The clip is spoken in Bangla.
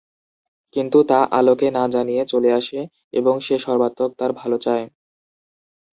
কিন্তু তা আলোকে না জানিয়ে চলে আসে এবং সে সর্বাত্মক তার ভাল চায়।